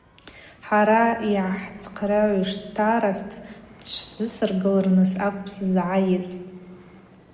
Хӏара йгӏахӏцхърыгӏуш старост дшвызсыргылырныс акӏвпӏ сызгӏайыз.